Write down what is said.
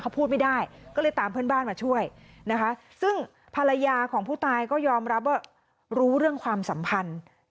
เขาพูดไม่ได้ก็เลยตามเพื่อนบ้านมาช่วยนะคะซึ่งภรรยาของผู้ตายก็ยอมรับว่ารู้เรื่องความสัมพันธ์